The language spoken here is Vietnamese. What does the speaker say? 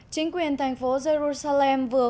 chính quyền thành phố jerusalem vừa